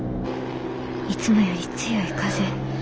いつもより強い風。